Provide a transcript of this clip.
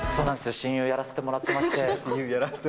親友やらせてもらって。